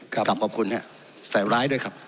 กลับขอบคุณครับใส่ร้ายด้วยครับ